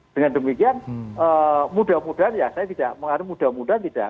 dengan demikian mudah mudahan ya saya tidak mengharum mudah mudahan tidak